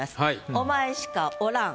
「お前しかおらん」